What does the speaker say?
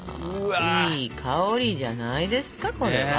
いい香りじゃないですかこれは。